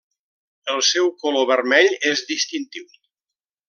El seu color vermell és distintiu.